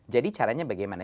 jadi caranya bagaimana